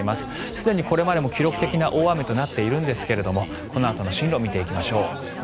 すでにこれまでも記録的な大雨となっているんですがこのあとの進路を見ていきましょう。